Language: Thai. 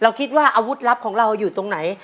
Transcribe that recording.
คิดว่าอาวุธลับของเราอยู่ตรงไหน